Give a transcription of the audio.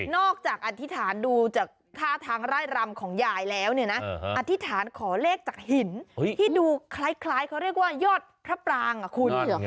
จากอธิษฐานดูจากท่าทางไร่รำของยายแล้วเนี่ยนะอธิษฐานขอเลขจากหินที่ดูคล้ายเขาเรียกว่ายอดพระปรางอ่ะคุณ